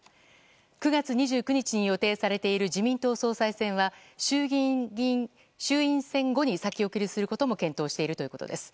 ９月２９日に予定されている自民党総裁選は衆院選後に先送りすることも検討しているということです。